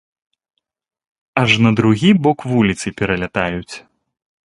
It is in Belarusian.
Аж на другі бок вуліцы пералятаюць.